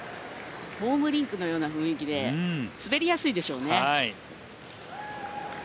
ホームリンクのような雰囲気で滑りやすいでしょうね。